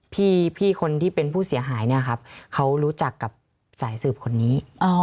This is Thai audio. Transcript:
พี่คนที่เป็นผู้เสียหายเนี่ยครับเขารู้จักกับสายสืบคนนี้